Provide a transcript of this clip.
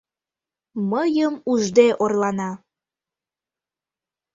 Мыйым ужде орлана, —